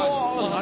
何？